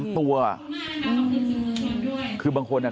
ขอบคุณมากนะคะขอบคุณสูงผู้ชมด้วย